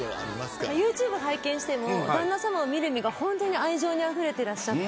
ユーチューブを拝見しても旦那さまを見る目が本当に愛情にあふれていらっしゃって。